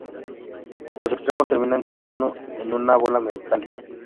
Los extremos terminan cada uno en una bola metálica.